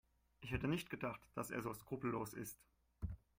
Ich hätte nicht gedacht, dass er so skrupellos ist.